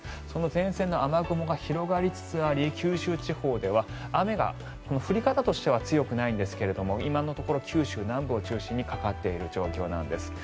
その前線の雨雲が広がりつつあり九州地方では雨が降り方としては強くないんですけれども今のところ九州南部を中心にかかっている状況なんです。